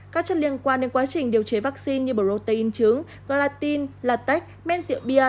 các chất liên quan đến quá trình điều chế vaccine như protein chứng glatine latex men rượu bia